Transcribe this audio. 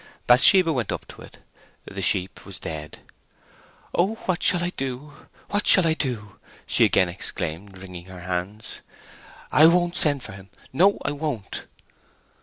Bathsheba went up to it. The sheep was dead. "Oh, what shall I do—what shall I do!" she again exclaimed, wringing her hands. "I won't send for him. No, I won't!"